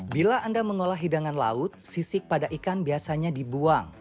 bila anda mengolah hidangan laut sisik pada ikan biasanya dibuang